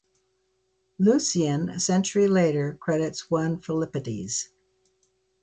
Lucian, a century later, credits one Philippides.